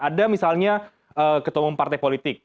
ada misalnya ketemu partai politik